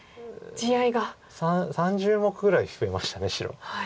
３０目ぐらい増えました白。